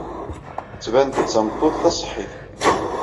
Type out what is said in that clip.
Tettban-d d tameṭṭut taṣeḥḥit.